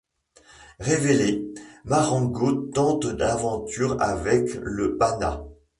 Révélé, Marangos tente l'aventure avec le Pana.